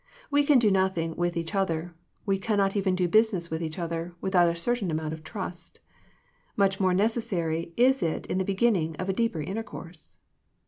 We can do nothing with each other, we cannot even do business with each other, without a certain amount of trust Much more necessary is it in the beginning of a deeper intercourse.